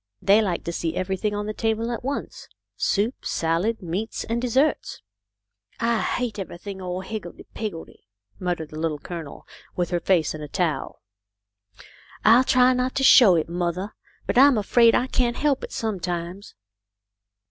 They like to see everything on the table at once, soup, salad, meats, and desserts." " I hate everything all higgledy piggledy !" mut tered the Little Colonel, with her face in a towel. "I'll try not to show it, mothah, but I'm afraid I can't help it sometimes."